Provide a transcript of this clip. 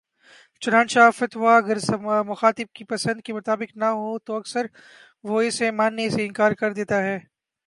چنانچہ فتویٰ اگر مخاطب کی پسند کے مطابق نہ ہو تو اکثر وہ اسے ماننے سے انکار کر دیتا ہے